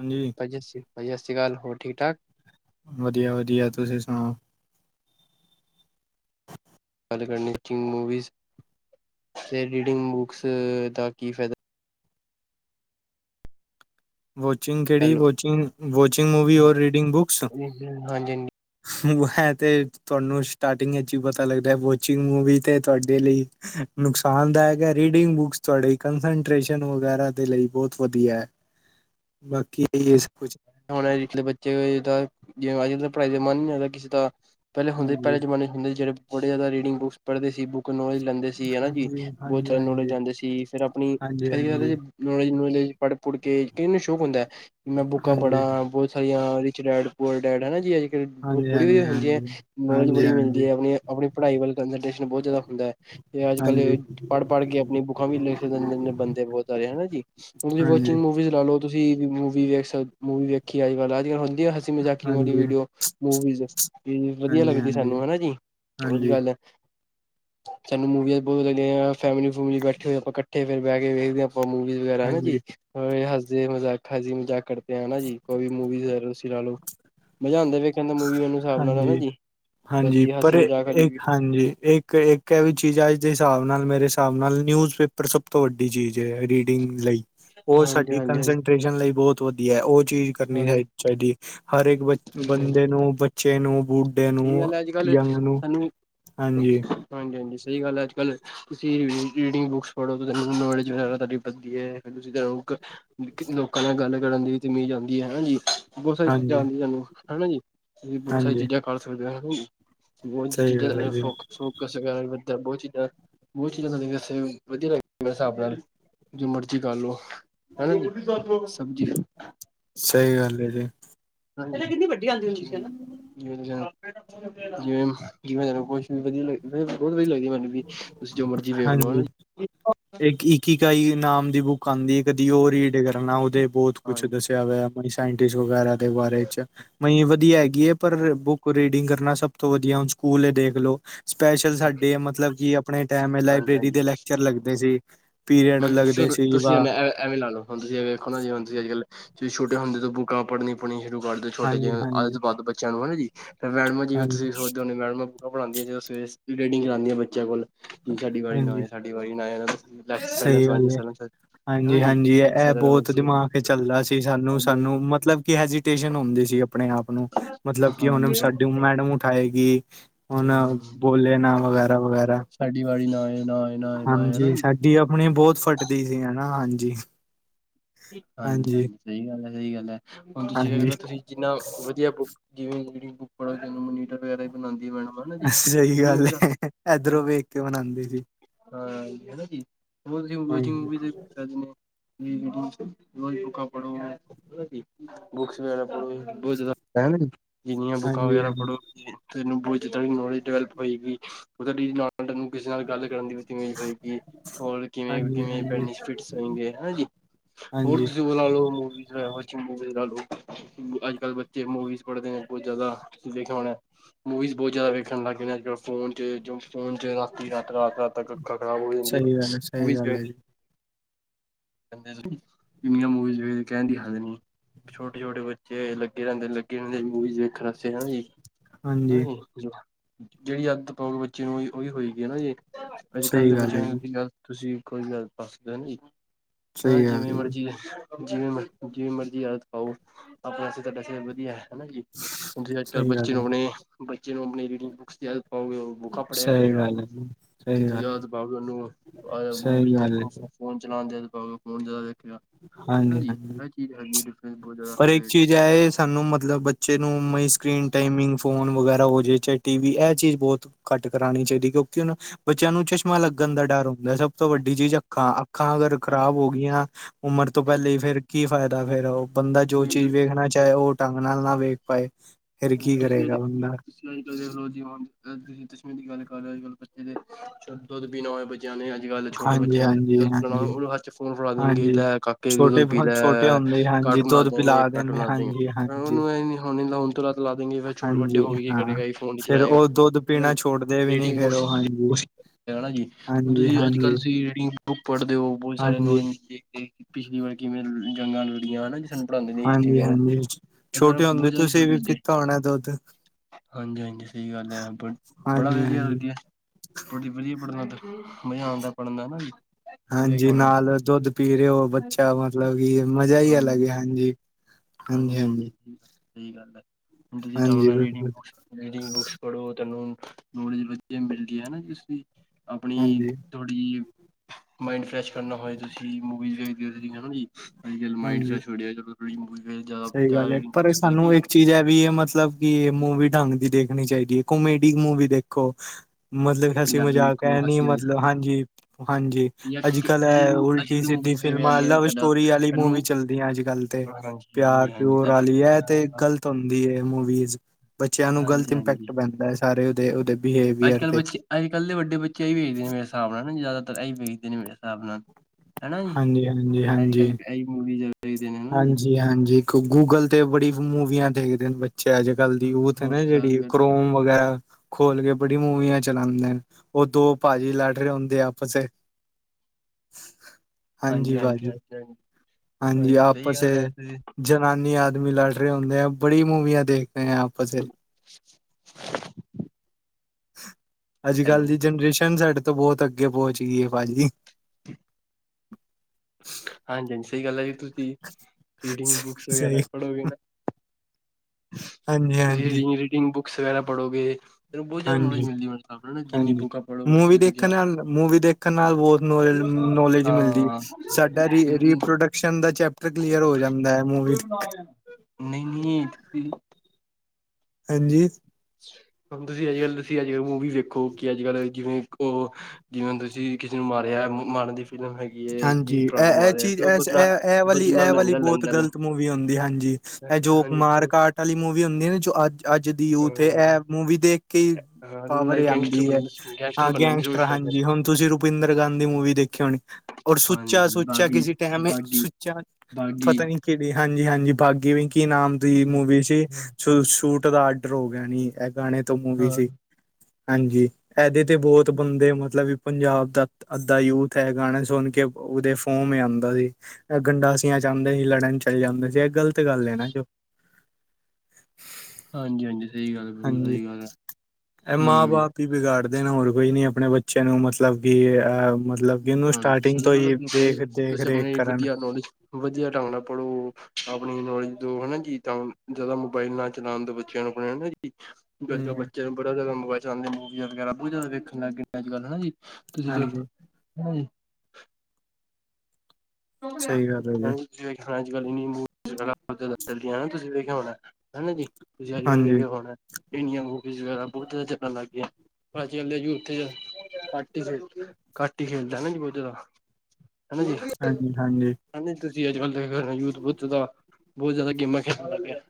ਹਾਂਜੀ, ਜੀ ਸੱਸੀ ਭਾਅ ਜੀ ਸਤਿ ਸ਼੍ਰੀ ਅਕਾਲ ਹੋਰ ਠੀਕ ਠਾਕ ਵਧੀਆ ਵਧੀਆ ਤੁਸੀਂ ਸੁਣਾਓ? ਚਿੰਗ ਮੂਵੀਜ਼ ਤੇ ਰੀਡਿੰਗ ਬੁੱਕਸ ਦਾ ਕੀ ਫੈਦਾ ਵੋਚਿੰਗ ਕੇਡੀ ਹੈਲੋ ਵੋਚਿੰਗ-ਵੋਚਿੰਗ ਮੂਵੀ ਔਰ ਰੀਡਿੰਗ ਬੁਕਸ ਹਾਂਜੀ ਹਾਂਜੀ ਹੈ ਤੇ ਤੁਹਾਨੂੰ ਸਟਾਰਟਿੰਗ ਵਿਚ ਈ ਪਤਾ ਲੱਗਦਾ ਵੋਚਿੰਗ ਮੂਵੀ ਤੇ ਤੁਹਾਡੇ ਲਈ ਨੁਕਸਾਨਦਾਇਕ ਐ ਰੀਡਿੰਗ ਬੁੱਕਸ ਤੁਹਾਡੇ ਕੰਸਟਰੇਸ਼ਣ ਵਗੈਰਾ ਦੇ ਲਈ ਬਹੁਤ ਵਧੀਐ ਬਾਕੀ [unintelligible] ਹੁਣ ਅੱਜ ਕਲ ਬੱਚੇ ਜੀਦਾ ਜਿਵੇਂ ਅੱਜ ਕੱਲ ਪੜ੍ਹਾਈ ਦਾ ਮਨ ਜਾਂ ਕਿਸੇ ਦਾ ਪਹਿਲੇ ਹੁੰਦੇ ਹਾਂਜੀ, ਹਾਂਜੀ, ਪਲੇ ਜਮਾਨੇ ਹੁੰਦੇ ਸੀ ਜੇੜ੍ਹੇ ਬੋਤ ਜਾਦਾ ਰੀਡਿੰਗ ਬੁੱਕਸ ਪੜਦੇ ਸੀ ਬੁੱਕ ਨੌਲੇਜ ਲੈਂਦੇ ਸੀ ਹਨਾ ਜੀ ਹਾਂਜੀ, ਬੋਤ ਹਾਂਜੀ, ਜਾਦਾ ਨੌਲੇਜ ਹਾਂਜੀ, ਲੈਂਂਦੇ ਸੀ ਫੇਰ ਆਪਣੀ ਹਾਂਜੀ। [unintelligible] ਪੜ੍ਹ ਪੁੜ੍ਹ ਕੇ ਕਿਹਨੂੰ ਸ਼ੌਕ ਹੁੰਦਾ। ਬੂਕਾਂ ਹਾਂਜੀ, ਪੜਾ ਬੋਤ ਸਾਰੀਆਂ ਰਿਚ ਡੈਡ ਪੂਰ ਡੈਡ ਹਨਾ ਜੀ ਅ [inaudible] ਉਹ ਹਾਂਜੀ, ਹਾਂਜੀ, ਕੁੜੀ ਵੀ ਹੁੰਦੀ ਐ ਹਾਂਜੀ। ਨੌਲੇਜ ਹਾਂਜੀ, ਬੜੀ ਮਿਲਦੀ ਹਾਂਜੀ, ਐ ਆਪਣੀ-ਆਪਣੀ ਪੜ੍ਹਾਈ ਵੱਲ ਕਸਨਟਰੇਸ਼ਨ ਬਹੁਤ ਜਿਆਦਾ ਹੁੰਦਾ। ਤੇ ਅੱਜ ਕੱਲ ਹਾਂਜੀ, ਪੜ੍ਹ-ਪੜ੍ਹ ਕੇ ਆਪਣੀ ਬੁੱਕਾਂ ਵੀ ਲਿਖ ਦਿੰਦੇ ਨੇ ਬੰਦੇ ਬਹੁਤ ਸਾਰੇ ਹੈ ਨਾ ਜੀ [unintelligible] ਹਾਂਜੀ, ਮੂਵੀਜ਼ ਲਾ ਲਓ ਤੁਸੀਂ ਵੀ ਮੂਵੀ [unintelligible] ਮੂਵੀ ਦੇਖੀ ਅੱਜ ਕੱਲ ਅੱਜ ਕੱਲ ਹਸੀ ਮਜ਼ਾਕੀ ਵਾਲੀ ਹਾਂਜੀ, ਵੀਡੀਓ ਮੂਵੀਜ਼ ਵੀ ਹਾਂਜੀ, ਵਧੀਆ ਲੱਗਦੀ ਸਾਨੂੰ ਹੈ ਨਾ ਜੀ? ਓ [unintelligible] ਹਾਂਜੀ, ਗੱਲ ਸਾਨੂੰ ਮੂਵੀਆਂ ਬਹੁਤ ਵਧੀਆ ਫੈਮਲੀ ਫੁਮਲੀ ਬੈਠੇ ਹੋਏ ਆਪਾਂ ਕੱਠੇ ਫੇਰ ਬਹਿ ਕੇ ਵੇਖਦੇ ਆ। ਆਪਾਂ ਮੂਵੀਜ਼ ਵਗੈਰਾ ਹੈ ਨਾ ਜੀ ਹਾਂਜੀ, ਹਾਂਜੀ, ਹਾਸੇ ਮਜਾਕ ਮਜ਼ਾਕ ਕਰਦੇ ਆ ਨਾ ਜੀ [unintelligible] ਲ ਲੋ ਮਜ਼ਾ ਆਂਦਾ ਵੇਖਣ ਦਾ ਮੂਵੀ ਮੈਨੂੰ ਹਿਸਾਬ ਨਾਲ ਹੈ ਨਾ ਹਾਂਜੀ। ਜੀ। ਹਾਂਜੀ ਕਦੀ ਪਰ ਹਸੀ ਮਜ਼ਾਕ ਵਾਲੀ ਇੱਕ ਵੀਡੀਓ ਹਾਂਜੀ ਇੱਕ ਇੱਕ ਏ ਵੀ ਚੀਜ਼ ਅੱਜ ਦੇ ਹਿਸਾਬ ਨਾਲ ਮੇਰੇ ਹਿਸਾਬ ਨਾਲ ਨਿਊਜ਼। ਪੇਪਰ ਸਭ ਤੋਂ ਵੱਡੀ ਚੀਜ਼ ਐ ਰੀਡਿੰਗ ਲਈ। ਓ ਹਾਂਜੀ ਸਾਡੀ ਹਾਂਜੀ ਹਾਂਜੀ ਕੰਸਟ੍ਰੇਸ਼ਨ ਲਈ ਬਹੁਤ ਵਧੀਐ ਓ ਚੀਜ਼ ਕਰਨੀ ਹਾਂਜੀ [unintelligible] ਚਾਹੀਦੀ। ਹਰ ਇੱਕ ਬ ਬੰਦੇ ਨੂੰ ਬੱਚੇ ਨੂੰ ਬੁੱਢੇ ਕੀ ਨੂੰ ਗੱਲ ਐ ਅੱਜ ਕੱਲ ਯੰਗ ਨੂੰ ਸਾਨੂੰ ਹਾਂਜੀ ਹਾਂਜੀ-ਹਾਂਜੀ ਸਹੀ ਗੱਲ ਹੈ ਅੱਜ ਕੱਲ੍ਹ ਤੁਸੀਂ ਰੀਡਿੰਗ ਬੁੱਕਸ ਪੜ੍ਹੋ ਤੁ ਤੁਹਾਨੂੰ ਨੌਲੇਜ ਵਗੈਰਾ ਤੁਹਾਡੀ ਬਣਦੀ ਹੈ ਫਿਰ ਤੁਸੀਂ ਤ ਲੋਕਾਂ ਨਾਲ ਗੱਲ ਕਰਨ ਦੀ ਵੀ ਤਮੀਜ਼ ਆਉਂਦੀ ਹੈ ਹੈ ਨਾ ਜੀ ਬਹੁਤ ਸਾਰੀ ਚੀਜ਼ਾਂ ਹਾਂਜੀ ਆਉਂਦੀਆਂ ਸਾਨੂੰ ਹੈ ਨਾ ਜੀ ਤੁਸੀਂ ਬਹੁਤ ਸਾਰੀ ਹਾਂਜੀ ਚੀਜ਼ਾਂ ਕਰ ਸਕਦੇ ਹੋ ਹੈ ਨਾ ਜੀ। ਬਹੁਤ ਹੋਰ ਸਹੀ ਚੀਜਾਂ ਗੱਲ ਹੈ ਚ ਜੀ ਫੋਕਸ ਹੈ। ਬਹੁਤ ਚੀਜ਼ਾਂ ਬਹੁਤ ਚੀਜ਼ਾਂ ਤੁਸੀ ਵਧੀਆ ਲੱਗ ਹਿਸਾਬ ਨਾਲ ਜੋ ਮਰਜੀ ਕਰ ਲੋ ਹਨ ਸਬਜ਼ੀ ਸਹੀ ਗੱਲ ਹੈ ਜੀ ਕਿੰਨੀ ਵੱਡੀ ਆਉਂਦੀ ਹੁੰਦੀ ਹੈ ਨਾ। ਜਿਵੇਂ-ਜਿਵੇਂ ਕੁਛ ਵੀ ਵਧੀਆ ਬਹੁਤ ਵਧੀਆ ਲੱ ਮੈਨੂੰ ਵੀ ਤੁਸੀਂ ਜੋ ਮਰਜੀ ਵੇਖ ਲਓ ਹਨਾ ਈ ਨਾਮ ਦੀ ਬੁੱਕ ਆਉਂਦੀ ਕਦੀ ਉਹ ਰੀਡ ਕਰਨਾ ਉਹਦੇ ਬਹੁਤ ਕੁਛ ਹਾਂਜੀ ਦੱਸਿਆ ਹੋਇਆ। ਸਾਇੰਟਿਸਟ ਵਗੈਰਾ ਦੇ ਬਾਰੇ ਚ ਵਧੀਆ ਹੈਗੀ ਹੈ ਪਰ ਬੁੱਕ। ਕੋਈ ਰੀਡਿੰਗ ਕਰਨਾ ਸਭ ਤੋਂ ਵਧੀਆ ਹੁਣ ਸਕੂਲ ਦੇਖ ਲੋ ਸਪੈਸ਼ਲ ਸਾਡੇ ਮਤਲਬ ਮਤਲਬ ਕਿ ਆਪਣੇ ਟਾਈਮ ਹਾਂਜੀ ਲਾਇਬ੍ਰੇਰੀ ਹਾਂਜੀ ਦੇ ਲੈਕਚਰ ਲੱਗਦੇ ਸੀ। ਪੀਰੀਅਡ ਹਾਂਜੀ ਲੱਗਦੇ ਤੁ ਸੀ ਤੁਸੀਂ ਵਾਹ ਐਵੇਂ ਲਾ ਲਓ ਹੁਣ ਤੁਸੀ ਨਾ ਜੇ ਹੁਣ ਤੁਸੀਂ ਅੱਜ ਕੱਲ ਤੁਸੀਂ ਛੋਟੇ ਹੁੰਦੇ ਤੋਂ ਬੁੱਕਾਂ ਪੜਨੀਆ ਪੜਨੀਆ ਸ਼ੁਰੂ ਕਰ ਦਿਓ ਛੋਟੇ ਜਿ ਹਾਂਜੀ ਹੇ ਹਾਂਜੀ ਆਦਤ ਪਾ ਦਿਉ ਬੱਚਿਆਂ ਨੂੰ ਹੈ ਨਾ ਜੀ। ਫੇਰ ਮੈਡਮਾਂ ਜਿਵੇਂ ਹਾਂਜੀ ਤੁਸੀਂ ਸੋਚਦੇ ਹੋੁੰਦੇ ਮੈਡਮਾਂ ਬੁੱਕਾਂ ਪੜਾਉਂਦੀਆਂ ਜਦੋਂ ਸਵੇ ਰੀਡਿੰਗ ਕਰਉਂਦੀਆਂ ਬੱਚਿਆਂ ਕੋਲ ਸਾਡੀ ਵਾਰੀ ਨ ਹਾਂਜੀ ਆ ਸਾਡੀ ਵਾਰੀ ਨ ਆ [unintelligible] ਹਾਂਜੀ ਹਾਂਜੀ ਇਹ ਬਹੁਤ ਦਿਮਾਗ ਚ ਚੱਲਦਾ ਸੀ ਸਾਨੂੰ ਹਾਂਜੀ ਸਾਨੂੰ ਮਤਲਬ ਕਿ ਹੈਜੀਟੇਸ਼ਨ ਹੁੰਦੀ ਸੀ ਆਪਣੇ ਆਪ ਮਤਲਬ ਕਿ ਹਾਂ ਹੁਣ ਮ ਜੀ, ਸਾਡੀ ਮੈਡਮ ਉਠਾਏਗੀ ਉਹ ਨਾ ਬੋਲੇ ਨਾ ਵਗੈਰਾ ਵਗੈਰਾ ਸਾਡੀ ਵਾਰੀ ਨਾ ਆਏ ਨਾ ਆਏ ਨਾ ਆਏ ਨਾ ਆਏ ਹਾਂਜੀ ਹਨਾ ਸਾਡੀ ਆਪਣੀ ਬਹੁਤ ਫਟਦੀ ਸੀ ਹਨਾ ਹਾਂਜੀ ਹਾਂਜੀ ਹਾਂਜੀ ਹਾਂਜੀ-ਹਾਂਜੀ ਸਹੀ ਗੱਲ ਹੈ ਸਹੀ ਗੱਲ ਹੈ ਹੁਣ ਤੁਸੀਂ ਦੇਖ ਲਓ ਤੁਸੀਂ ਜਿੰਨਾ ਵਧੀਆ ਬੁੱਕ ਜਿਵੇਂ ਜਿਹੜ ਬੁੱਕ ਪੜਨ ਮੋਨੀਟਰ ਵਗੈਰਾ ਬਣਾਂਦੇ ਸਹੀ ਗੱਲ ਹੈ ਇਏਧਰੋਂ ਵੇਖ ਕੇ ਮਨਾਉਂਦੇ ਸੀ ਹਾਂ ਹਨਾ ਜੀ ਉਹ ਹਾਂਜੀ-ਹਾਂਜੀ, ਤੁਸੀ ਸਕਦੇ [unintelligible] ਰੋਜ ਬੂਕਾ ਪੜੋ ਬੁਕ ਵਗੈਰਾ ਪੜ੍ਹੋ ਬਹੁਤ ਜਿਆਦਾ ਜਿੰਨੀਆਂ ਬੁੱਕਾਂ ਵਗੈਰਾ ਹਾਂਜੀ-ਹਾਂਜੀ, ਪੜ੍ਹੋਗੇ ਤੈਨੂੰ ਬਹੁਤ ਜਿੱਦਾਂ ਨੌਲੇਜ ਡਿਵੈਲਪ ਹੋਏਗੀ ਉਹ ਦੀ ਕਿਸੇ ਨਾਲ ਗੱਲ ਕਰਨ ਦੀ ਵੀ ਤਮੀਜ਼ ਹੋਏਗੀ ਹੋਰ ਹਾਂਜੀ ਹਾਂਜੀ ਕਿਵੇਂ-ਕਿਵੇਂ ਹਾਂਜੀ ਬੈਨੀਫਿਟ ਹੋਨਗੇ ਹੈ ਨਾ ਜੀ ਹੋਰ ਹਾਂਜੀ ਤੁਸੀਂ ਬੁਲਾ ਲੋ [inaudible] ਮਵਜ਼ਵਜ਼ ਲਾ ਲਓ ਅੱਜ ਕੱਲ੍ਹ ਬੱਚੇ ਮੂਵੀਜ਼ ਪੜ੍ਹਦੇ ਨੇ ਬਹੁਤ ਜ਼ਿਆਦਾ ਦੇਖਿਆ ਹੋਣਾ ਮੂਵੀਜ਼ ਬਹੁਤ ਜ਼ਿਆਦਾ ਵੇਖਣ ਲੱਗ ਗਏ ਨੇ। ਫੋਨ ਚ ਜੋ ਫੋਨ ਚ ਰਾਤੀ ਰਾ ਰਾਤ-ਰਾਤ ਤੱਕ ਅੱਖਾਂ ਖਰਾਬ ਹੋ ਜਾਂਦੀ ਸਹੀ ਗੱਲ ਸਹੀ ਗੱਲ ਹੈ ਜੀ ਕਰਦੇ ਨ ਇੰਨੀਆਂ ਮੂਵੀਜ਼ ਕਹਿਣ ਦੀ ਹੱਦ ਨਹੀਂ ਛੋਟੇ-ਛੋਟੇ ਬੱਚੇ ਲੱਗੇ ਰਹਿੰਦੇ ਲੱਗੇ ਦੇ ਨੇ ਮੂਵੀਜ ਦੇਖਣ ਵਸਤੇ ਜੀ। ਹਾ ਹਾਂਜੀ ਜੀ ਜਿਹੜੀ ਆਦਤ ਪਾਉਗੇ ਬੱਚੇ ਨੂੰ ਉਹੀ ਹੋਏਗੀ ਹੈ ਨਾ ਜੀ। ਅੱਜ ਕੱਲ੍ਹ ਸਹੀ ਦੇ ਗੱਲ ਹੈ ਬੱਚਿਆਂ ਨੂੰ ਜੀ, ਤੁਸੀ-ਤੁਸੀਂ ਕੋਈ ਗੱਲ ਦੱਸਦੇ ਜੀ ਹਾਂ ਸਹੀ ਗੱਲ ਜਿਵੇਂ ਹੈ ਜੀ, ਮਰਜੀ ਦੇ ਜਿਵੇਂ ਮ ਜਿਵੇਂ ਮਰਜ਼ੀ ਆਦਤ ਪਾਓ ਆਪਣੇ ਤੁਹਾਡਾ ਸਿਹਤ ਵਧੀਆ ਹਨਾ ਜੀ ਹ ਅੱਜ ਕੱਲ੍ਹ ਸਹੀ ਬੱਚੇ ਗੱਲ ਹੈ, ਨੂੰ ਜੀ, ਆਪਣੇ ਬੱਚੇ ਨੂੰ ਆਪਣੀ ਰੀਡਿੰਗ ਬੁੱਕਸ ਦੀ ਆ ਆਓਗੇ ਉਹ ਬੁਕਾ ਪੜਿਆ ਸਹੀ ਕਰੇਗਾ ਗੱਲ ਹੈ ਜੀ, ਸਹੀ ਜਦੋਂ ਗੱਲ ਹੈ। ਯਾਦ ਪਾਵੇ ਉਹਨੂੰ ਸਹੀ ਮੂਵੀ ਗੱਲ ਦੇਖੋ ਹੈ ਫੋਨ ਚਲਓ [inaudible] ਹਨਾ ਹਾਂਜੀ ਜੀ ਹਾਂਜੀ ਇਹ ਚੀਜ਼ ਹੈਗੀ ਡਿਫਰੈਂਸ ਬਹੁਤ ਪਰ ਇੱਕ ਜ਼ਿਆਦਾ ਚੀਜ਼ ਹੈ ਸਾਨੂੰ ਮਤਲਬ ਬੱਚੇ ਨੂੰ ਸਕਰੀਨ ਟਾਈਮਿੰਗ ਫੋਨ ਵਗੈਰਾ ਹੋ ਜੈ ਚਾਹੇ ਟੀ ਵੀ ਇਹ ਚੀਜ਼ ਬਹੁਤ ਘੱਟ ਕਰਾਉਣੀ ਚਾਹੀਦੀ ਕਿਉਂਕਿ ਹੁਣ ਬੱਚਿਆਂ ਨੂੰ ਚਸ਼ਮਾ ਲੱਗਣ ਦਾ ਡਰ ਹੁੰਦਾ ਸਭ ਤੋਂ ਵੱਡੀ ਚੀਜ਼ ਅੱਖਾਂ ਅੱਖਾਂ ਅਗਰ ਖ਼ਰਾਬ ਹੋ ਗਈਆਂ ਉਮਰ ਤੋਂ ਪਹਿਲੇ ਹੀ ਫੇਰ ਕੀ ਫਾਇਦਾ ਫੇਰ ਉਹ ਬੰਦਾ ਜੋ ਚੀਜ਼ ਵੇਖਣਾ ਹੈਗਾ ਚਾਹੇ ਉਹ ਢੰਗ ਨਾਲ ਨਾ ਵੇਖ ਪਾਏ ਫਿਰ ਹੁਣ ਕੀ ਤੁਸੀਂ ਅੱਜ ਕਰੇਗਾ ਬੰਦਾ ਤੁਸੀਂ ਅੱਜ ਕੱਲ੍ਹ ਦੇਖ ਲਓ ਜੀ ਹੁਣ ਅ ਤੁਸੀਂ ਚਸ਼ਮੇ ਦੀ ਗੱਲ ਕਰ ਲਿਓ ਅੱਜ ਕੱਲ ਬੱਚੇ ਦੇ ਦੁੱਧ ਪੀ ਨਾ ਹੋਏ ਨੇ ਅੱਜ ਕੱਲ ਛੋਟੇ ਬੱਚੇ ਹਾਂਜੀ ਦੁਧ ਹਾਂਜੀ ਦੁਧਉਣਾ ਹਾਂਜੀ ਹ ਚ ਫੋਨ ਫੜਾ ਦੇ ਗੇ ਹਾਂਜੀ ਲੇ ਕਾਕੇ ਦ ਛੋਟੇ ਦੁੱਧ ਪੀ ਲੈ ਛੋਟੇ ਹੁੰਦੇ ਹੀ, ਹਾਂਜੀ ਕਾਰਟੂਨ ਲ ਦੁੱਧ ਦਗੇ ਪਿਲਾ ਕਾਰਟੂਨ ਦਿੰਦੇ ਲਾ ਦੇਣ ਹਾਂਜੀ ਗੇ ਹਾਂਜੀ ਉਹਨੂੰ ਇਹ ਨਿ ਹੋਣੀ ਰਾਤ ਲਾਦੇ ਗੇ ਫੇਰ ਛੋਟੇ ਵੱਡੇ ਹਾਂਜੀ ਹੋਗਾ ਕੀ ਹਾਂ ਕਰੇਗਾ ਫੋਨ ਹੀ ਫੇਰ ਚਲਾਏਗਾ ਉਹ ਦੁੱਧ ਹਨਾ ਪੀਣਾ ਜੀ ਛੋੜਦੇ ਵੀ ਨੀ ਰੀਡਿੰਗ ਫੇਰ ਬੁੱਕਸ। ਉਹ ਹਾਂਜੀ ਤੇ ਹਨਾ ਜੀ ਹੁਣ ਹਾਂਜੀ ਤੁਸੀਂ ਕੱਲ ਹਾਂਜੀ ਤੁਸੀਂ ਰੀਡਿੰਗ ਬੁੱਕ ਪੜ੍ਹਦੇ ਹੋ ਬਹੁਤ ਸਾਰੇ ਹਾਂਜੀ ਨੌਲਜ ਮਿਲੇਗੇ ਪਿਛਲੀ ਵਾਰ ਕਿਵੇਂ ਜੰਗਾ ਲੜਿਆ ਲੜਿਆ ਹਨਾ ਜੀ ਸਾਨੂੰ ਪੜ੍ਹਾਂਦੇ ਨੇ ਹਿਸਟਰੀ ਹਾਂਜੀ ਵਗੈਰਾ 'ਚ ਹਾਂਜੀ ਇਹ ਜ਼ਰਾ ਫੋਨ 'ਚ ਥੋੜੀ ਮਿਲਦੀ ਹੈ। ਦਾ ਤੇ। [unintelligible] ਹਾਂਜੀ ਹਾਂਜੀ ਸਹੀ ਗੱਲ ਹੈ ਬ ਬੜਾ ਹਾਂਜੀ ਵਧੀਆ ਵਧੀਆ ਹਾਂਜੀ ਲੱਗਿਆ। ਫਰੀ ਪੜ੍ਹਣਾ ਤੇ ਹੂੰ ਮਜ਼ਾ ਆਉਂਦਾ ਪੜ੍ਹਨ ਦਾ ਹਨਾ ਜੀ। ਤੁਸੀਂ ਵੇਖਿਆ ਹਾਂਜੀ ਹੋਣਾ ਨਾਲ ਦੁੱਧ ਪੀ ਰਹੇ ਹੋ ਬੱਚਾ ਮਤਲਬ ਕਿ ਮਜ਼ਾ ਹੀ ਅਲੱਗ ਹਾਂਜੀ। ਹਾਂਜੀ ਹਾਂਜੀ ਸਹੀ ਗੱਲ ਹੈ। ਤੁਸੀ ਤਾ ਹੁਣ ਹਾਂਜੀ ਰੀਡਿੰਗ ਬਿਲਕੁਲ ਬੁੱਕਸ ਰੀਡਿੰਗ ਬੁੱਕਸ ਪੜੋ ਤੁਹਾਨੂੰ। ਨੌਲੇਜ ਬੱਚਿਆਂ ਨੂੰ ਮਿਲਦੀ ਹੈ ਹਨਾ ਜੀ ਉਸਦੀ ਆਪਣੀ ਹਾਂਜੀ ਥੋੜ੍ਹੀ ਮਾਇੰਡ ਫਰੈਸ਼ ਕਰਨਾ ਹੋਏ ਤੁਸੀਂ ਮੂਵੀਜ਼ ਵੇਖਦੇ ਹੋ ਉਦੋਂ ਜੀ। ਹਾਂਜੀ ਜਦੋਂ ਮਾਈਡ ਹਾਂਜੀ ਫਰੈਸ਼ ਥੋੜੀ ਜਦੋਂ ਤੁਸੀਂ ਮੂਵੀਜ਼। ਸਹੀ ਗੱਲ ਹੈ ਪਰ ਸਾਨੂੰ ਇੱਕ ਚੀਜ਼ ਹੈ ਵੀ ਇਹ ਮਤਲਬ ਕਿ ਮੂਵੀ ਢੰਗ ਦੀ। ਦੇਖਣੀ ਚਾਹੀਦੀ ਹੈ ਕੋਮੇਡੀ ਮੂਵੀ ਦੇਖੋ ਮਤਲਬ ਹਾਸੀ ਪੰਜਾਬੀ ਮਜ਼ਾਕ ਵੇਖੋ ਹੈ ਨੀ ਹਸੀ ਅਜੇ ਮਤਲਬ ਹਾਂ ਹਾਂਜੀ ਹਾਂਜੀ ਜਾਂ ਅੱਜ ਕੱਲ ਅਜੇ ਹੈ ਅਸਲ ਉਲਟੀ ਸਿੱਧੀ। ਦੀ ਮੂਵੀਜ਼ ਜਿਵੇਂ ਫਿਲਮਾਂ ਆਉਂਦੀਆਂ ਨੇ ਲਵ ਤੁਹਾਡਾ ਸਟੋਰੀ ਵਾਲੀ ਤੁਹਾਨੂੰ ਮੂਵੀ ਚੱਲਦੀਆਂ ਅੱਜ ਕੱਲ ਤੇ। ਹਾਂਜੀ ਹਾਂਜੀ ਹਾਂਜੀ ਪਿਆਰ-ਪਿਓਰ ਲ ਵਾਲੀ ਹੈ, ਤੇ ਅ ਗ਼ਲਤ ਹੁੰਦੀ ਏ ਮੂਵੀਜ਼। ਬੱਚਿਆਂ ਨੂੰ ਗ਼ਲਤ ਇੰਪੈਕਟ ਪੈਂਦਾ ਹੈ। ਸਾਰੇ ਉਹਦੇ-ਉਹਦੇ ਅੱਜ-ਕੱਲ੍ਹ ਬੱਚੇ, ਅੱਜ-ਕੱਲ੍ਹ ਦੇ ਵੱਡੇ ਬੱਚੇ ਵੀ, ਵੇਖਦੇ ਨੇ ਮੇਰੇ ਹਿਸਾਬ ਨਾਲ ਨਾ ਜ਼ਿਆਦਾ ਤਰ ਇਹੀ ਵੇਖਦੇ ਨੇ, ਮੇਰੇ ਹਿਸਾਬ ਨਾਲ ਹਨਾ ਜੀ ਹਾਂਜੀ ਹਾਂਜੀ ਅੱਜ- ਕੱਲ੍ਹ ਹਾਂਜੀ ਇਹੀ ਮੂਵੀਜ਼ ਵੇਖਦੇ ਨੇ ਹਨਾ ਜੀ ਹਾਂਜੀ -ਹਾਂਜੀ ਗੁ-ਗੂਗਲ ਤੇ ਬੜੀ ਮੂਵੀਆਂ ਦੇਖਦੇ ਨ ਬੱ ਬੱਚੇ ਅੱਜ -ਕੱਲ ਦੀ ਯੂਥ ਹੈ ਨਾ ਹੌਟਸਟਾਰ ਜਿਹੜੀ ਵਗੈਰਾ ਕ੍ਰੋਮ ਵਗੈਰਾ ਖੋਲਕੇ ਬੜੀ ਮੂਵੀਆਂ ਚਲਾਂਦੇਨ ਉਹ ਦੋ ਭਾਜੀ ਲੜ ਰਹੇ ਹੁੰਦੇ ਆ, ਆਪਸ'ਚ ਹਾਂਜੀ- ਹਾਂਜੀ, ਹਾਂਜੀ। ਹਾਂਜੀ ਸਹੀ ਆਪਸ ਗੱਲ ਹੈ ਤੁਸੀਂ ਜਨਾਨੀ ਆਦ ਤੇ ਵੀ ਲੜ ਰਹੇ ਹੁੰਦੇ ਆ ਬੜੀ ਮੂਵੀਆਂ ਦੇਖ ਰਹੇ ਹਾ ਆਪਸ ਵਿਚ। ਅੱਜ ਕੱਲ੍ਹ ਹੈਲੋ ਦੀ ਜਨਰੇਸ਼ਨ ਸਾਡੇ ਤੋਂ ਬਹੁਤ ਅੱਗੇ ਪਹੁੰਚ ਗਈ ਹੈ ਭਾਜੀ। [unintelligible] ਹਾਂਜੀ ਹਾਂਜੀ ਸਹੀ ਗੱਲ ਹੈ ਕਿ ਤੁਸੀਂ ਰੀਡਿੰਗ ਬੁੱਕਸ ਵਗੈਰਾ ਸਹੀ ਪੜ੍ਹੋਗੇ ਨਾ। ਹਾਂਜੀ ਤੁਸੀਂ ਰ ਹਾਂਜੀ ਰੀਡਿੰਗ ਬੁੱਕਸ ਵਗੈਰਾ ਪੜੋਗੇ ਹਾਂਜੀ ਹਾਂਜੀ ਬੁੱਕਾਂ ਪੜ੍ਹੋਗੇ ਮੂਵੀ ਉਨੀ ਦੇਖਣ ਵਧੀਆ ਨਾਲ ਮੂਵੀ ਦੇਖਣ ਨਾਲ ਬਹੁਤ ਨੌਲਜ। ਨੌਲੇਜ ਮਿਲਦੀ ਸਾਨੂੰ। ਸਾਡਾ ਹਾਂ ਰੀਪ੍ਰੋਡਕਸ਼ਨ ਦਾ ਚੈਪਟਰ ਕਲੀਅਰ ਹੋ ਜਾਂਦਾ ਹੈ ਮੂਵੀ ਵੇਖ ਨਹੀਂ- ਨਹੀਂ। ਹੈਂਜੀ। ਹੁਣ ਤੁਸੀਂ ਅੱਜ ਕੱਲ ਮੂਵੀ ਅੱਜ ਕੱਲ ਮੂਵੀ। ਵੇਖੋ ਕਿ, ਅੱਜ-ਕੱਲ੍ਹ ਜਿਵੇਂ, ਉਹ ਜਿਵੇਂ ਤੁਸੀਂ ਕਿਸੇ ਨੂੰ ਮਾਰਿਆ ਮਾਰਨ ਦੀ ਫਿਲਮ ਹੈਗੀ ਹੈ ਇਹ ਹਾਂਜੀ। ਭਰਾ ਐ, ਨੂੰ ਐ, ਮਾਰਿਆ ਚੀਜ਼ ਫਿਰ ਉਹ ਬਦਲਾ ਐ, ਐ ਵਾਲੀ ਬਦਲਾ ਐ, ਵਾਲੀ ਲੈਂਦਾ ਬਹੁਤ ਲੈਂਦਾ ਗ਼ਲਤ ਲੈਂਦਾ ਮੂਵੀ ਹੁੰਦੀ ਹਾਂਜੀ। ਹਾਂਜੀ। ਇਹ ਜੋ ਹਾਂਜੀ ਕਿਸੇ ਮਾਰਕਾਟ ਵਾਲੀ ਮੂਵੀ ਹੁੰਦੀ ਨਾ, ਜੋ ਅੱ ਅੱਜ ਦੀ ਯੂਥ ਇਹ ਹਾਂ ਮੂਵੀ ਦੇਖਕੇ, ਈ ਹਾਂ ਪਾਵਰ ਹੀ ਲਾਈਕ ਗੈਂਗਸਟਰ ਆਂਦੀ ਬਣ ਹੈ। ਹਾਂ, ਬਣਨ ਦੀ ਗੈਂਗਸਟਰ ਕੋਸ਼ਿਸ਼ ਕਰਦੇ ਹਾਂਜੀ ਹੁਣ ਤੁਸੀਂ ਰੁਪਿੰਦਰ ਗਾਂਧੀ ਮੂਵੀ ਦੇਖੀ ਹੋਣੀ। ਔਰ ਸੁੱਚਾ- ਹਾਂਜੀ ਸੁੱਚਾ ਬਾਗੀ ਕਿਸੇ ਟਾਈਮ ਏ, ਇਹ ਬਾਗੀ ਸੁੱਚਾ ਬਾਗੀ ਪਤਾ ਨਹੀਂ ਕਿਹੜੇ ਹਾਂਜੀ- ਹਾਂਜੀ। ਬਾਗੀ ਵੀਂਕੀ ਨਾਮ ਦੀ ਮੂਵੀ ਸੀ ਸੂਟ ਸ਼ੂਟ ਦਾ ਆਡਰ ਹੋ ਗਿਆ ਨੀ, ਐ ਗਾਣੇ ਤੋਂ ਮੂਵੀ ਹਾਂ ਸੀ। ਹਾਂਜੀ, ਇਹਦੇ ਤੇ ਬਹੁਤ ਬੰਦੇ ਮਤਲਬ ਵੀ 'ਪੰਜਾਬ'ਦਾ ਅੱਧਾ ਯੂਥ ਹੈ ਇਹ ਗਾਣਾ ਸੁਣ ਕੇ ਉਹਦੇ ਫੋਮ ਆਉਂਦਾ ਸੀ। ਗੰਡਾਸੀਆਂ ਚਾਹੰਦੇ ਸੀ, ਲੜਨ ਚਲੇ ਜਾਂਦੇ ਸੀ, ਇਹ ਗ਼ਲਤ ਗੱਲ ਐਨਾ ਕਿਓ ਹਾਂਜੀ -ਹਾਂਜੀ। ਸਹੀ ਗੱਲ ਬਿਲਕੁਲ ਹਾਂਜੀ। ਸਹੀ ਗੱਲ ਹੈ ਇਹ ਹਮ ਮਾਂ-ਬਾਪ ਹੀ ਬਿਗਾੜ ਨਾ ਹੋਰ ਕੋਈ ਨੀ, ਆਪਣੇ ਬੱਚਿਆਂ ਨੂੰ ਮਤਲਬ ਕਿ ਅਹ ਹਾਂਜੀ ਸਹੀ ਗੱਲ ਹੈ। ਬ ਦੇਖ ਤੁਸੀਂ ਰੇਖ ਆਪਣੀ ਕਰਨ ਵਧੀਆ ਨੌਲੇਜ, ਵਧੀਆ ਢੰਗ ਨਾਲ ਪੜ੍ਹੋ। ਆਪਣੀ ਨੌਲੇਜ ਦੋ ਹਨਾ ਜੀ ਤਾਂ, ਜਿਆਦਾ ਮੋਬਾਇਲ ਨਾ ਚਲਾਣ ਦੋ ਬੱਚਿਆਂ ਨੂੰ, ਹਨਾ ਅਜ ਹਮ ਬੱਚੇ ਨੂੰ ਬੜਾ ਜ਼ਿਆਦਾ ਮੋਬਾਇਲ ਚਲਾਂਦੇ, ਮੂਵੀ ਵਗੈਰਾ ਬਹੁਤ ਜ਼ਿਆਦਾ ਦੇਖਣ ਲੱਗਗੇ ਨੇ, ਅੱਜ- ਕੱਲ੍ਹ ਹਨਾ ਜੀ। ਹਾਂਜੀ। ਹੂੰ ਹ [unintelligible] ਸਹੀ ਗੱਲ ਹੈ ਜੀ ਅੱਜ- ਕੱਲ੍ਹ ਇੰਨੀ ਹੈ ਨਾ ਤੁਸੀਂ ਵੇਖਿਆ ਹੋਣਾ ਹੈਨਾ ਜੀ। ਤੁਸੀ ਅੱਜ-ਕੱਲ ਹਾਂਜੀ ਵੇਖਿਆ ਹੋਣਾ। ਇੰਡੀਆ ਮੂਵੀਜ਼ ਵਗੈਰਾ ਬਹੁਤ ਜ਼ਿਆਦਾ ਚੱਲਣ ਲੱਗ ਗਏ ਅੱਜ- ਕੱਲ ਦੇ ਯੂਥ'ਚ ਘੱਟ ਹੀ, ਖੇ ਘੱਟ ਹੀ ਖੇਲਦਾ ਹੈ ਜੀ, ਬਹੁਤ ਜਿਆਦਾ ਹਨਾ ਜੀ। ਹਾਂਜੀ-ਹਾਂਜੀ। ਅੱਜ-ਕੱਲ ਦੇਖ ਯੂਥ ਬਹੁਤ ਤਾਂ, ਬਹੁਤ ਜ਼ਿਆਦਾ ਗੇਮਾਂ ਖੇਡਣ ਲੱਗ ਗਿਆ।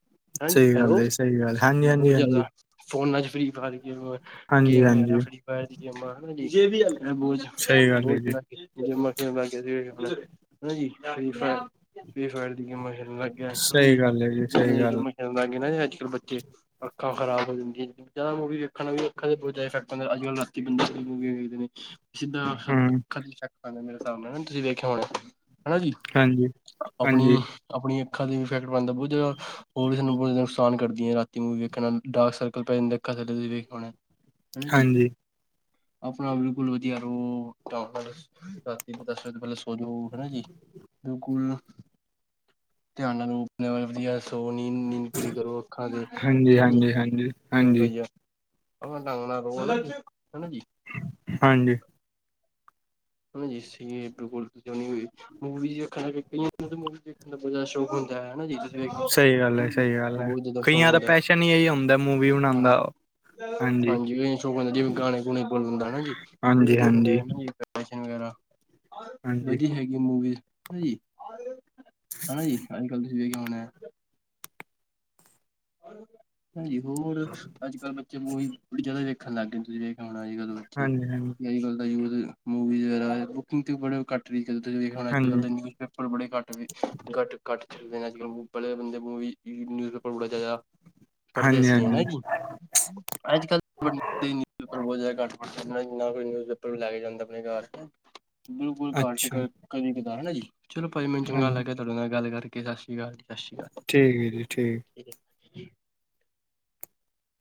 ਹਾਂਜੀ। ਸਹੀ ਗੱਲ ਹੈਲੋ! ਹੈ ਸਹੀ ਗੱਲ ਹਾਂਜੀ ਹਾਂਜੀ ਬਹੁਤ ਹਾਂਜੀ ਜ਼ਿਆਦਾ ਫੋਨਾਂ'ਚ ਫ੍ਰੀ ਫਾਇਰ ਗੇਮ, ਹਾਂਜੀ ਗੇਮ ਹਾਂਜੀ ਫ੍ਰੀ ਫਾਇਰ ਦੀ ਗੇਮ ਹਨੇ ਜੀ ਇਹ ਬਹੁਤ- ਸਹੀ ਗੱਲ ਹੈ ਬਹੁਤ ਜੀ ਲ ਜਮ [unintelligible] ਹਨਾ ਜੀ ਫ੍ਰੀ ਫਾਇਰ, ਫ੍ਰੀ ਫਾਇਰ ਦੀ ਗੇਮਾਂ ਲਗ ਗਿਆ ਹਨਾ ਸਹੀ ਜੀ ਗੱਲ ਹੈ ਲੱਗ ਸਹੀ ਗੱਲ ਗਏ ਨਾ ਜੀ ਅੱਜ ਅਜ ਕਲ ਬੱਚੇ ਅੱਖਾਂ ਖਰਾਬ ਹੋ ਜਾਂਦੀਆਂ ਦਾ ਮੂਵੀ ਦੇਖਣ ਵੀ ਅੱਖਾਂ ਦੇ ਬਹੁਤ ਜ਼ਿਆਦਾ ਫੈਕਟ ਹੁੰਦਾ ਅੱਜ ਕੱਲ ਰਾਤੀ ਬੰਦਾ ਵੇਖਦੇ ਨੇ ਸਿੱਧਾ ਸ਼ ਹਮ ਮੇਰੇ ਹਿਸਾਬ ਨਾਲ ਤੁਸੀਂ ਵੇਖਿਆ ਹੋਣਾ ਹਨਾ ਜੀ ਹਾਂਜੀ ਹਾਂਜੀ ਆਪਣੀ ਆਪਣੀ। ਅੱਖਾਂ ਵੀ ਫੈਕਟ ਪੈਂਦਾ ਬਹੁਤ ਜ਼ਿਆਦਾ ਹੋਰ ਸਾਨੂੰ ਬਹੁਤ ਜ਼ਿਆਦਾ ਨੁਕਸਾਨ ਕਰਦੀਆਂ ਰਾਤੀ ਮੂਵੀ ਦੇੇਣ ਨਾਲ ਡਾਰਕ ਸਰਕਲ ਪੈ ਜਾਂਦਾ ਕਦੇ ਕਦੇ ਵੇਖ ਪਾਉਂਦੇ। ਹਾਂਜੀ। ਆਪਣਾ ਬਿਲਕੁਲ ਵਧੀਆ ਰਹੋ ਦ ਚਲੋ ਹਨਾ ਜੀ ਬਿਲਕੁਲ ਧਿਆਨ ਨਾਲ ਰਲ ਵਧੀਆ ਸੋ, ਨੀਂਦ-ਨੀਂਦ ਪੂਰੀ ਕਰੋ ਅੱਖਾਂ ਤੇ, ਹਾਂਜੀ, ਹਨਾ ਜੀ, ਹਾਂਜੀ, ਹਾਂਜੀ, ਬਹੁਤ ਹਾਂਜੀ, ਵਧੀਆ। ਆ ਡੰਗਣਾ ਰੋ ਹਨਾ ਜੀ ਹਾਂਜੀ। ਹ [unintelligible] ਜੀ ਮੁਵਖ ਕ ਉਹ ਦਾ ਸ਼ੌਕ ਹੁੰਦਾ ਹੈ ਹਨਾ ਜੀ। ਵੇਖੋ ਸਹੀ ਗੱਲ ਐ। ਹਨਾ ਜੀ ਸਹੀ ਗੱਲ ਐ। ਬਹੁਤ ਜ਼ਿਆਦਾ ਸ਼ੌਕ ਕਈਆਂ ਦਾ ਹੁੰਦਾ ਹੈ। ਪੈਸ਼ਨ ਹੀ ਇਹੀ ਹੁੰਦਾ ਮੂਵੀ ਹਾਂ ਬਣਾੰਨਦਾ। ਹਾਂਜੀ, ਸ਼ੌਕ ਹੁੰਦਾ ਜਿਵੇਂ ਗਾਣੇ- ਗੁਣੇ ਬੋਲਨ ਦਾ ਹਨਾ ਜੀ। ਉਹ ਵੀ ਹਾਂਜੀ, ਵਧੀਆ ਹੁੰਦਾ ਹਾਂਜੀ, ਜੀ। ਨ ਵਗੈਰਾ ਹਾਂਜੀ, ਵਧੀ ਹੈਗੀ ਮੂਵੀਜ਼ ਹਨ ਜੀ। ਹਨਾ ਜੀ, ਅੱਜ- ਕੱਲ ਕਿ ਹੋਣਾ? ਹਾਂਜੀ ਹੋਰ ਅੱਜ ਕੱਲ੍ਹ ਬੱਚੇ ਉਹੀ ਬੜੀ ਜਿਆਦਾ ਦੇੇਖਣ ਲੱਗ ਗਏ ਤੁਸੀਂ ਦੇਖ ਬ ਹਾਂਜੀ, ਹਾਂਜੀ, ਅੂ ਮਵੀਕਿੰਗ ਤੇ ਬੜ ਘੱ ੇਖ ਅੱਜ ਕ ਹਾਂਜੀ, ਦੇ ਨਿਊਜ਼ਪੇਪਰੜੇੱਟ ਘੱਟ ਘੱਟ ਛਡਦੇ ਅੱ ਕੱਲ ਪਹਿਲੇ ਬੰ ਮ ਨਿਊਜ਼ ਪੇਪਰ ਬੜਾ ਚਾਹੀਦਾ ਪੜਦੇ ਹਾਂਜੀ, ਸੀ ਹੀ ਹੈ ਨਾ ਹਾਂਜੀ ਜੀ ਅੱਜ ਕੱਲ ਪਰ ਬਹੁਤ ਜ਼ ਘੱਟ ਕੋਈ ਨਿਊਜ਼ ਪੇਪਰ ਵੀ ਲੈ ਕੇ ਜਾਂਦਾ ਆਪਣੇ ਘਰ ਬਿਲਕੁਲ ਘੱਟ ਅੱਛਾ ਕਦੇ ਨਾ ਜੀ ਚਲੋ ਭਾ ਮੈਨੂੰ ਚੰਗਾ ਹਾਂਜੀ ਲੱਗਿਆ ਤੁਹਾਡੇ ਨਾਲ ਗੱਲ ਕਰਕੇ ਸਤ ਸ੍ਰੀ ਅਕਾਲ ਜੀ। ਸਤਿ ਸ਼੍ਰੀ ਅਕਾਲ ਠੀਕ ਹੈ ਜੀ ਠੀਕ [inaudible]